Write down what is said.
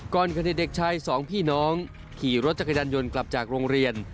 กรกฎขณะเด็กชาย๒พี่น้องขี่รถจักรยานยนต์กลับจากโรงเรียน